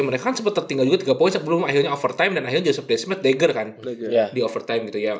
mereka kan sempat tertinggal juga tiga poin sebelumnya akhirnya overtime dan akhirnya joseph desmet dagger kan di overtime gitu ya